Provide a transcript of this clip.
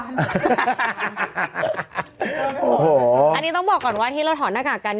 อันนี้ต้องบอกก่อนว่าที่เราถอดหน้ากากกัน